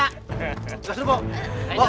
tidak dulu mbak